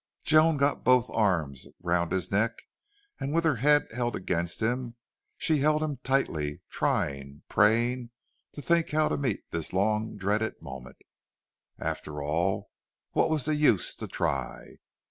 Joan got both arms round his neck and with her head against him she held him tightly, trying, praying to think how to meet this long dreaded moment. After all, what was the use to try?